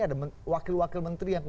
ada wakil wakil menteri yang